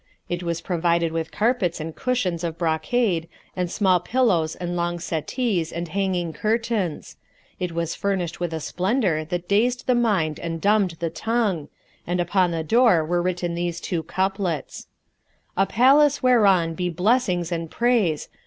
It was provided with carpets and cushions of brocade and small pillows and long settees and hanging curtains; it was furnished with a splendour that dazed the mind and dumbed the tongue, and upon the door were written these two couplets, "A Palace whereon be blessings and praise!